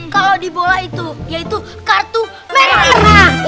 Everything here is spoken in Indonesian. kalau di bola itu yaitu kartu merah